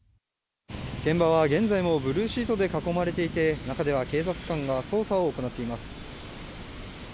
現場は、現在もブルーシートで囲まれていて中では警察官が捜査を行っています。